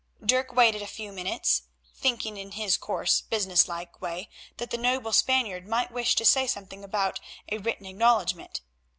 Dirk waited a few moments, thinking in his coarse, business like way that the noble Spaniard might wish to say something about a written acknowledgment.